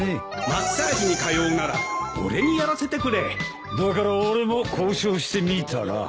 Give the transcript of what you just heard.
マッサージに通うなら俺にやらせてくれだから俺も交渉してみたら。